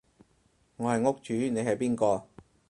我係屋主你係邊個？